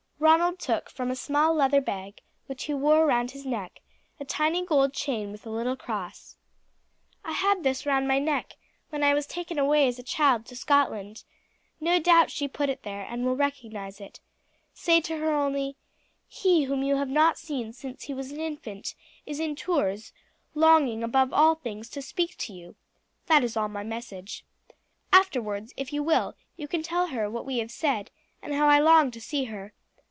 Ronald took from a small leather bag, which he wore round his neck, a tiny gold chain with a little cross. "I had this round my neck when I was taken away as a child to Scotland. No doubt she put it there, and will recognize it. Say to her only: 'He whom you have not seen since he was an infant is in Tours, longing above all things to speak to you;' that is all my message. Afterwards, if you will, you can tell her what we have said, and how I long to see her.